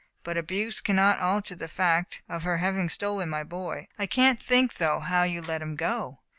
" But abuse cannot alter the fact of her having stolen my boy. I can't think, though, how you let him go.